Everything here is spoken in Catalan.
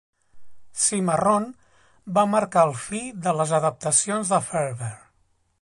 "Cimarron" va marcar el fi de les adaptacions de Ferber.